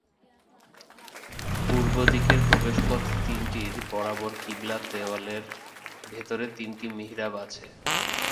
পূর্বদিকের প্রবেশপথ তিনটির বরাবর কিবলা দেওয়ালের ভেতরে তিনটি মিহরাব আছে।